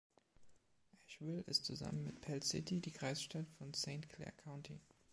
Ashville ist zusammen mit Pell City die Kreisstadt von Saint Clair County.